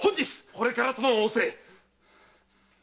これからとの仰せ！